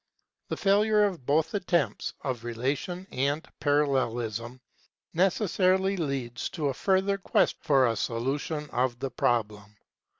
The failure of both attempts of Relation and Parallelism necessarily leads to a further quest for a solution of the problem.